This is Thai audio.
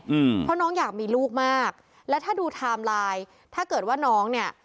อืมเพราะน้องอยากมีลูกมากและถ้าดูไทม์ไลน์ถ้าเกิดว่าน้องเนี้ย